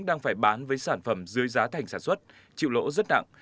đang phải bán với sản phẩm dưới giá thành sản xuất chịu lỗ rất nặng